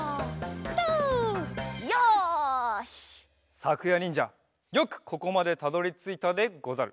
さくやにんじゃよくここまでたどりついたでござる。